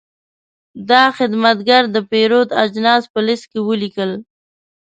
دا خدمتګر د پیرود اجناس په لېست کې ولیکل.